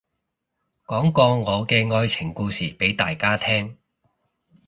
講個我嘅愛情故事俾大家聽